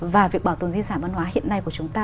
và việc bảo tồn di sản văn hóa hiện nay của chúng ta